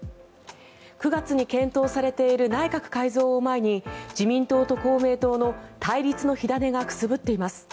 ９月に検討されている内閣改造を前に自民党と公明党と対立の火種がくすぶっています。